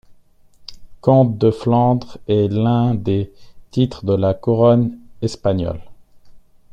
Comte de Flandre est l'un des titres de la Couronne espagnole.